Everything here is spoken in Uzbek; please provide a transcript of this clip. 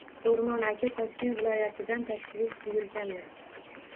O‘rmon aka Toshkent viloyatidan tashrif buyurganlar.